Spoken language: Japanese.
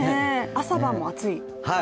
朝晩も暑い？